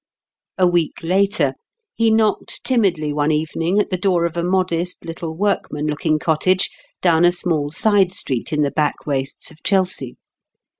A week later, he knocked timidly one evening at the door of a modest little workman looking cottage, down a small side street in the back wastes of Chelsea.